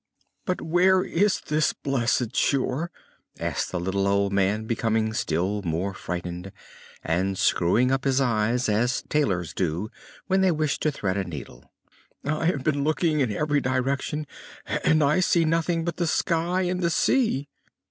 "But where is this blessed shore?" asked the little old man, becoming still more frightened, and screwing up his eyes as tailors do when they wish to thread a needle. "I have been looking in every direction and I see nothing but the sky and the sea."